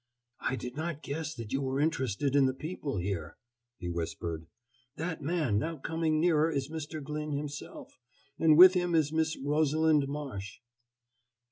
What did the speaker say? "I did not guess that you were interested in the people here," he whispered. "That man now coming nearer is Mr. Glyn himself, and with him is Miss Rosalind Marsh."